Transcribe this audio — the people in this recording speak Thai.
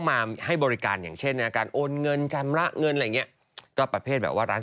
ทุกอย่างจะอยู่ในคอมพิวเตอร์